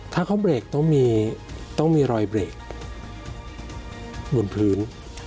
ถ้าเขาเบรกต้องมีรอยเบรกบนพื้น